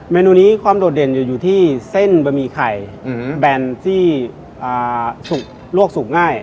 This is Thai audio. เมนูนี้ความโดดเด่นอยู่ที่เส้นบะหมี่ไข่แบรนด์ที่ลวกสูบง่าย